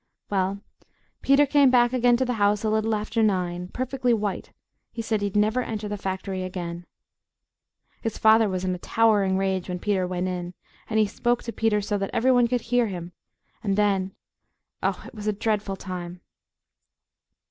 Well, Peter came back again to the house a little after nine, perfectly white; he said he'd never enter the factory again.... His father was in a towering rage when Peter went in; he spoke to Peter so that every one could hear him, and then Oh, it was a dreadful time!...